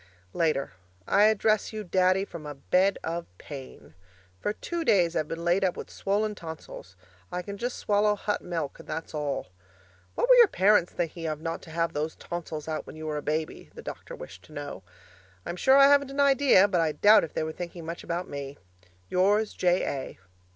Later I address you, Daddy, from a bed of pain. For two days I've been laid up with swollen tonsils; I can just swallow hot milk, and that is all. 'What were your parents thinking of not to have those tonsils out when you were a baby?' the doctor wished to know. I'm sure I haven't an idea, but I doubt if they were thinking much about me. Yours, J. A.